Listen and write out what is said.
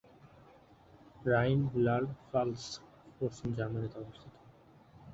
Rheinland-Pfalz পশ্চিম জার্মানিতে অবস্থিত।